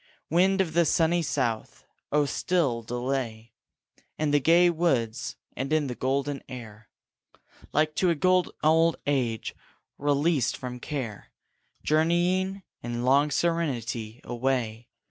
Wind of the sunny south! oh still delay In the gay woods and in the golden air, Like to a good old age released from care, Journeying, in long serenity, away.